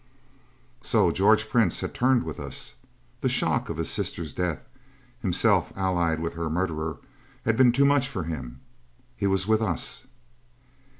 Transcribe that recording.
So George Prince had turned with us. The shock of his sister's death himself allied with her murderer had been too much for him. He was with us!